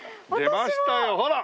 出ましたよほら！